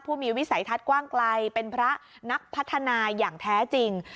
ผู้มีวิสัยทัศน์กว้างไกลเป็นพระนักพัฒนาอย่างแท้จริง